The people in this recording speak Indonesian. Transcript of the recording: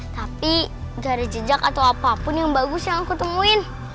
tapi gak ada jejak atau apapun yang bagus yang aku temuin